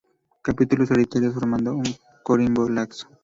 Capítulos solitarios, formando un corimbo laxo.